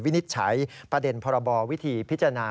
นิจฉัยประเด็นพรบวิธีพิจารณา